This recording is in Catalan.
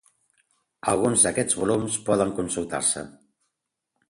Alguns d'aquests volums poden consultar-se.